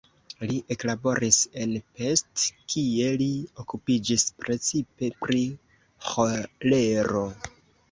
Li eklaboris en Pest, kie li okupiĝis precipe pri ĥolero.